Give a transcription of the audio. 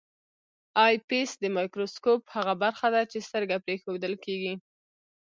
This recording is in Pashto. آی پیس د مایکروسکوپ هغه برخه ده چې سترګه پرې ایښودل کیږي.